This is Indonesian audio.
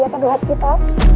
apa buat kita